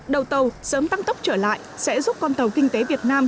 đầu tàu sớm tăng tốc trở lại sẽ giúp con tàu kinh tế việt nam